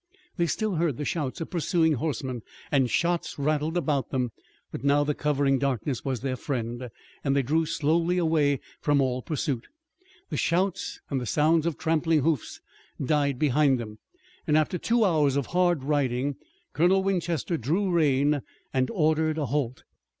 They still heard the shouts of pursuing horsemen, and shots rattled about them, but now the covering darkness was their friend. They drew slowly away from all pursuit. The shouts and the sounds of trampling hoofs died behind them, and after two hours of hard riding Colonel Winchester drew rein and ordered a halt.